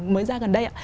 mới ra gần đây